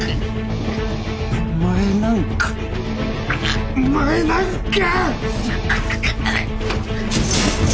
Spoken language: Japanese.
お前なんかお前なんか！